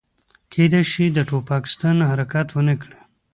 کیدای شي د ټوپک ستن حرکت ونه کړي